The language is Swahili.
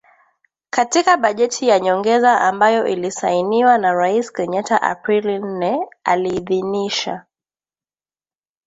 Katika bajeti ya nyongeza ambayo ilisainiwa na Rais Kenyatta Aprili nne, aliidhinisha